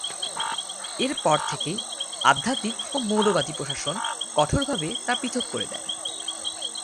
এরপর থেকেই আধ্যাত্মিক ও মৌলবাদী প্রশাসন কঠোরভাবে তা পৃথক করে দেন।